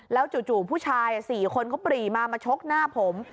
แล้วจู่ผู้ชาย๔คนเขาปรีมามาชกหน้าผม